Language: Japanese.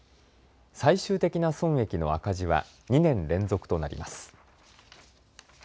最終的な損益の赤字は２年連続となります。